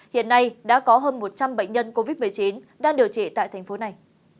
hiện nay đã có hơn một trăm linh bệnh nhân covid một mươi chín đang điều trị tại thành phố này